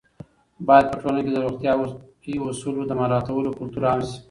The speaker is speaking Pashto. باید په ټولنه کې د روغتیايي اصولو د مراعاتولو کلتور عام شي.